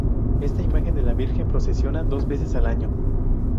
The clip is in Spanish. Esta Imagen de la Virgen procesiona dos veces al año.